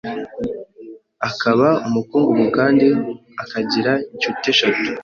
akaba umukungu kandi akagira inshuti eshatu